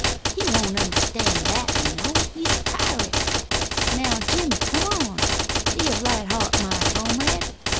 "He won't understand that, you know. He's a pirate. Now, Jimmie, come on. Be of light heart, my comrade.